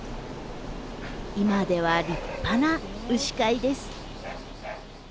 今では立派な牛飼いです。